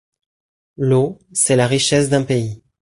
L'eau, c'est la richesse d'un pays.